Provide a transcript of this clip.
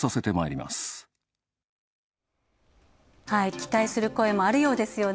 期待する声もあるようですよね。